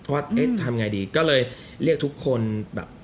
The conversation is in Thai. ว่าทำไงดีก็เลยเรียกทุกคนแบบ